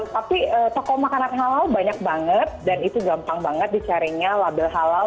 tapi toko makanan halal banyak banget dan itu gampang banget dicarinya label halal